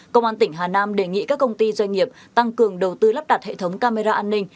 công an tỉnh hà nam đề nghị các công ty doanh nghiệp tăng cường đầu tư lắp đặt hệ thống camera an ninh